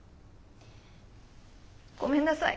ごめんなさい。